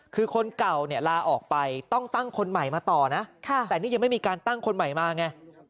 คือคนเก่าเนี่ยลาออกไปต้องตั้งคนใหม่มาต่อนะแต่นี่ยังไม่มีการตั้งคนใหม่มาไง